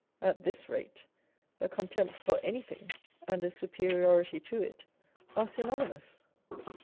At this rate, a contempt for anything and a superiority to it are synonymous.